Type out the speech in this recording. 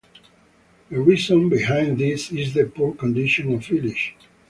The reason behind this is the poor condition of village.